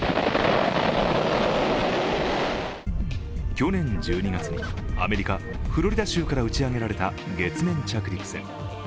去年１２月にアメリカ・フロリダ州から打ち上げられた月面着陸船。